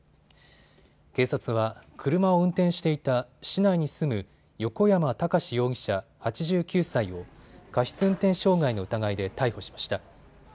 警察は車を運転していた市内に住む横山孝容疑者、８９歳を過失運転傷害の疑いで逮捕しました。